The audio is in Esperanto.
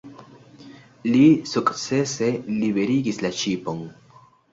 Li sukcese liberigis la ŝipon.